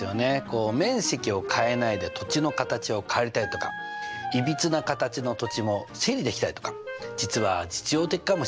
面積を変えないで土地の形を変えたりとかいびつな形の土地も整理できたりとか実は実用的かもしれませんね。